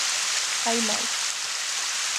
А и мајка.